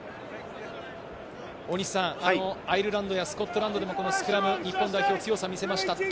アイルランドやスコットランドでもスクラム、日本代表の強さを見せました。